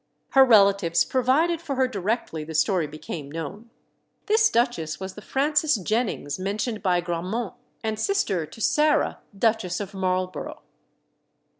Her relatives provided for her directly the story became known. This duchess was the Frances Jennings mentioned by Grammont, and sister to Sarah, Duchess of Marlborough.